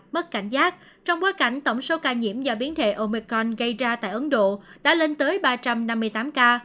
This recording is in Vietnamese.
mất cảnh giác trong bối cảnh tổng số ca nhiễm do biến thể omecon gây ra tại ấn độ đã lên tới ba trăm năm mươi tám ca